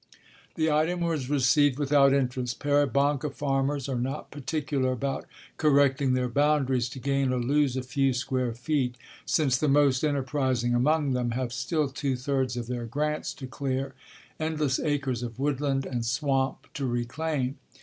The item was received without interest. Peribonka farmers are not particular about correcting their boundaries to gain or lose a few square feet, since the most enterprising among them have still two thirds of their grants to clear, endless acres of woodland and swamp to reclaim.